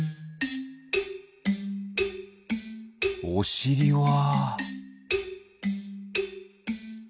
おしりは？